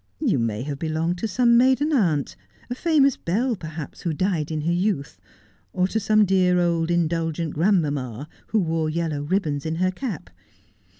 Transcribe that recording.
You may have belonged to some maiden aunt, a famous belle, perhaps, who died in her youth — or to some dear old indulgent grandmamma, who wore yellow ribbons in her cap.